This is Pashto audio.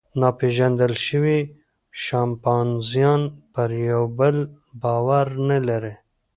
ناپېژندل شوي شامپانزیان پر یوه بل باور نهلري.